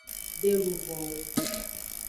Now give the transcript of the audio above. De luvowo.